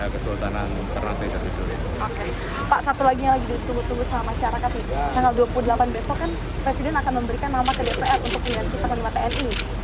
kesultanan ternate dan tidore oke pak satu lagi yang lagi ditunggu tunggu sama syarakat tinggal dua puluh delapan besokkan presiden kota teluk luchonara